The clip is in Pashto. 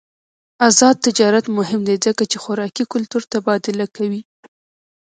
آزاد تجارت مهم دی ځکه چې خوراکي کلتور تبادله کوي.